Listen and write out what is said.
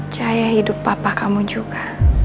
jaya hidup papa kamu juga